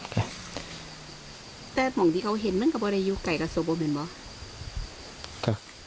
เขาเห็นเหมือนจะมีกับวิธีต่อมาก